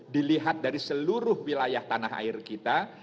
dilihat dari seluruh wilayah tanah air kita